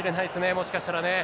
もしかしたらね。